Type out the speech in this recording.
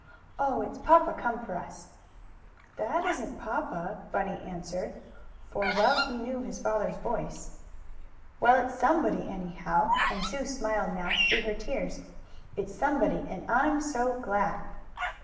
"Oh, it's papa come for us!" "That isn't papa," Bunny answered, for well he knew his father's voice. "Well, it's SOMEBODY, anyhow," and Sue smiled now, through her tears. "It's somebody, and I'm so glad!"